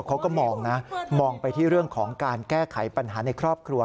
เขาก็มองนะมองไปที่เรื่องของการแก้ไขปัญหาในครอบครัว